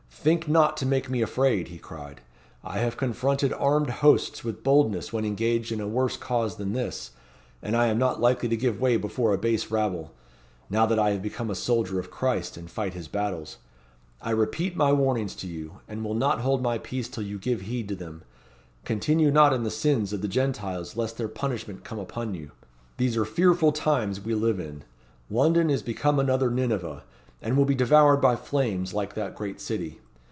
"Think not to make me afraid," he cried; "I have confronted armed hosts with boldness when engaged in a worse cause than this, and I am not likely to give way before a base rabble, now that I have become a soldier of Christ and fight his battles. I repeat my warnings to you, and will not hold my peace till you give heed to them. Continue not in the sins of the Gentiles lest their punishment come upon you. These are fearful times we live in. London is become another Nineveh, and will be devoured by flames like that great city.